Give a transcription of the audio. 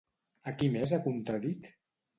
A qui més ha contradit?